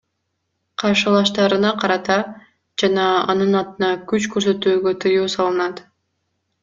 Каршылаштарына карата жана анын атына күч көрсөтүүгө тыюу салынат.